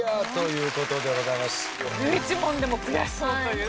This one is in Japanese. １１問でも悔しそうという。